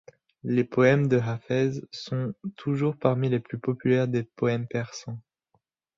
Les poèmes de Hafez sont toujours parmi les plus populaires des poèmes persans.